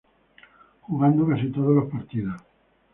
Jugando casi todos los partidos.